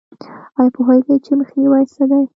ایا پوهیږئ چې مخنیوی څه دی؟